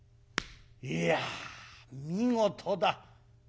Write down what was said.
「いや見事だ！ああ。